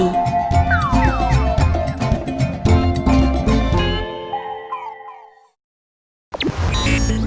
มคบิน